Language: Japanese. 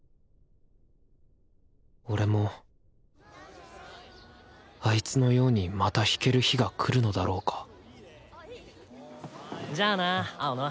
俺もあいつのようにまた弾ける日が来るのだろうかじゃあな青野。